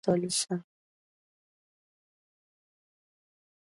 Ickes thought European Jews might be the solution.